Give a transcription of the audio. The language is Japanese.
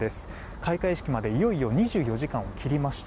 開会式までいよいよ２４時間を切りました。